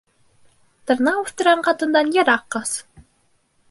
Тырнаҡ үҫтергән ҡатындан йыраҡ ҡас.